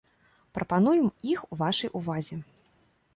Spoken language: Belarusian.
Прапануем іх вашай увазе.